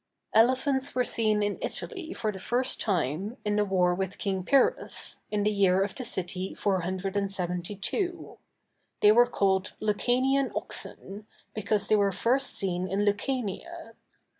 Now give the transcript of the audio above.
Elephants were seen in Italy, for the first time, in the war with King Pyrrhus, in the year of the City 472; they were called "Lucanian oxen," because they were first seen in Lucania.